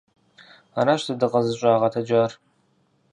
Аращ дэ дыкъызыщӀагъэтэджар.